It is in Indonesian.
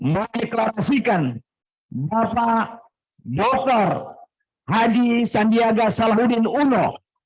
mendeklarasikan bapak boker haji sandiaga saludin uno